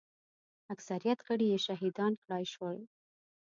اکثریت غړي یې شهیدان کړای شول.